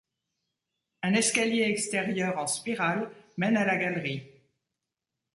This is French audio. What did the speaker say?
Un escalier extérieur en spirale mène à la galerie.